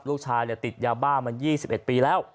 ลูกชายติดยาบ้ามา๒๑ปีแล้ว